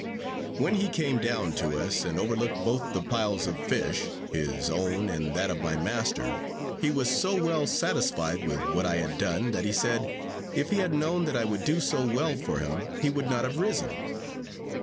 When he came down to us, and overlooked both the piles of fish his own and that of my master he was so well satisfied with what I had done, that he said, if he had known that I would do so well for him, he would not have risen.